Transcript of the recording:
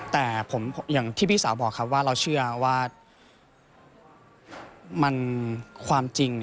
แต่อย่างที่พี่สาวบอกครับว่าเราเชื่อว่ามันความจริง